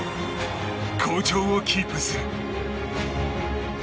好調をキープする。